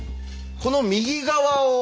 この右側をはい。